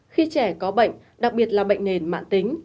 khi trẻ có bệnh đặc biệt là bệnh nền mạng tính